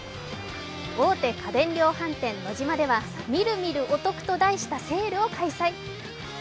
大手家電量販店ノジマではミルミルお得と題したセールを開催。